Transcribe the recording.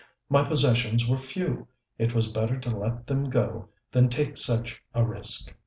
My possessions were few: it was better to let them go than take such a risk.